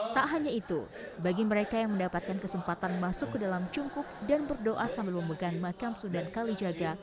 tak hanya itu bagi mereka yang mendapatkan kesempatan masuk ke dalam cungkuk dan berdoa sambil memegang makam sudan kalijaga